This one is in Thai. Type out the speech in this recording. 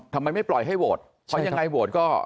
ทำไมไม่ปล่อยให้โหวต